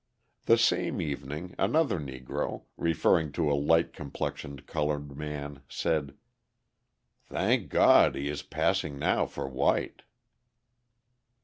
The same evening, another Negro, referring to a light complexioned coloured man, said: "Thank God, he is passing now for white."